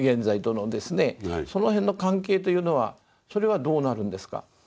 その辺の関係というのはそれはどうなるんですか。